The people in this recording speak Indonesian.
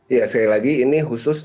ya sekali lagi ini khusus